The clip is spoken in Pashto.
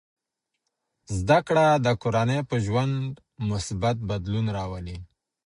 زده کړه د کورنۍ په ژوند مثبت بدلون راولي.